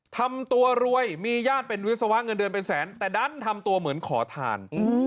ทำตัวรวยมีญาติเป็นวิศวะเงินเดือนเป็นแสนแต่ดันทำตัวเหมือนขอทาน